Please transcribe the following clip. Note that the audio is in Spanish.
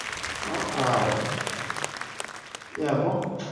Lo cierto es que el futuro de Torre Aledo es incierto.